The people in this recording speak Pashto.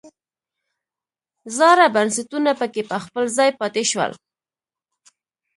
زاړه بنسټونه پکې په خپل ځای پاتې شول.